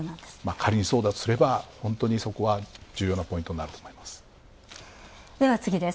仮にそうだとすれば、重要なポイントになると思います。